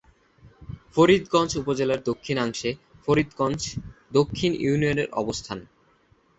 ফরিদগঞ্জ উপজেলার দক্ষিণাংশে ফরিদগঞ্জ দক্ষিণ ইউনিয়নের অবস্থান।